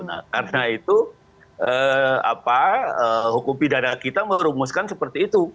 nah karena itu hukum pidana kita merumuskan seperti itu